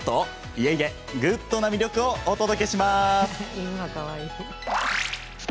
いえいえグッドな魅力をお届けします！